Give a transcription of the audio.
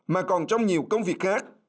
mà còn trong nhiều công việc khác